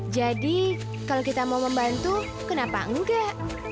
jadi kalau kita mau membantu kenapa enggak